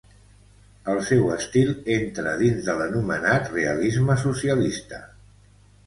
El seu estil entra dins de l'anomenat realisme socialista.